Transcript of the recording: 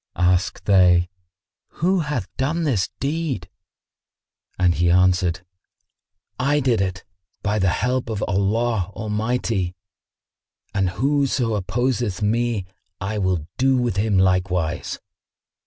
Asked they, "Who hath done this deed?"; and he answered, "I did it, by the help of Allah Almighty; and whoso opposeth me, I will do with him likewise."